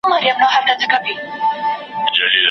څه تخمونه د فساد مو دي شيندلي